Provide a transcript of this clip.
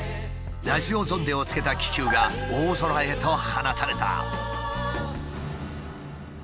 ラジオゾンデをつけた気球が大空へと放たれた。